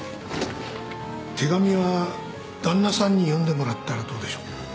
手紙は旦那さんに読んでもらったらどうでしょう。